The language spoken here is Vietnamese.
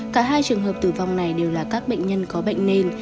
cả hai trường hợp tử vong này đều là các bệnh nhân có bệnh nền